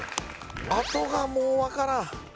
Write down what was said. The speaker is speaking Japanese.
あとがもう分からん。